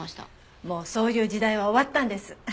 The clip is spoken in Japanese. もうそういう時代は終わったんです。